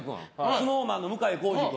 ＳｎｏｗＭａｎの向井康二君。